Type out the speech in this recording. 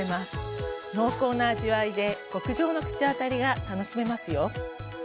濃厚な味わいで極上の口当たりが楽しめますよ。